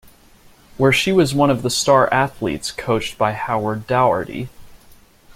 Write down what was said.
Where she was one of the star athletes coached by Howard Daugharty.